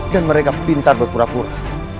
dan mereka pintar berpura pura